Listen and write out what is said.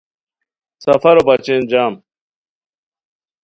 سفرو بچین جم